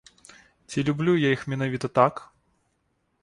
Ці люблю я іх менавіта так?